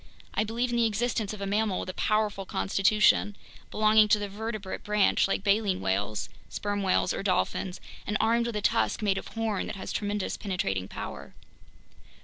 I believe in the existence of a mammal with a powerful constitution, belonging to the vertebrate branch like baleen whales, sperm whales, or dolphins, and armed with a tusk made of horn that has tremendous penetrating power."